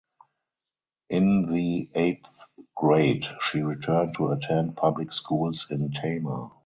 In the eighth grade she returned to attend public schools in Tama.